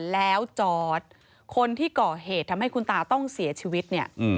แล้วจอร์ดคนที่ก่อเหตุทำให้คุณตาต้องเสียชีวิตเนี่ย